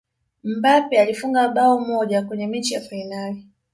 mbappe alifunga bao moja kwenye mechi ya fainali